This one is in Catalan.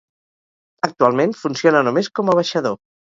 Actualment funciona només com a baixador.